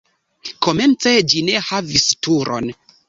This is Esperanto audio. Komence ĝi ne havis turon.